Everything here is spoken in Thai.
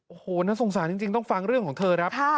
โอ้โหน่าสงสารจริงต้องฟังเรื่องของเธอครับ